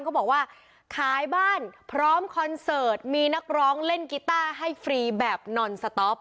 เขาบอกว่าขายบ้านพร้อมคอนเสิร์ตมีนักร้องเล่นกีต้าให้ฟรีแบบนอนสต๊อป